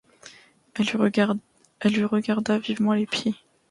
Elle lui regarda vivement les pieds.